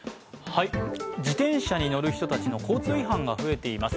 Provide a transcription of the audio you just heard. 自転車に乗る人たちの交通違反が増えています。